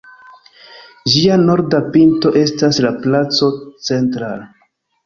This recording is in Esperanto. Ĝia norda pinto estas la placo "Central".